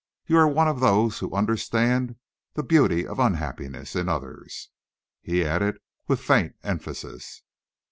You are one of those who understand the beauty of unhappiness in others," he added, with faint emphasis.